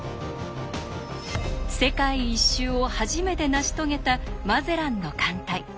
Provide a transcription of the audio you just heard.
世界一周を初めて成し遂げたマゼランの艦隊。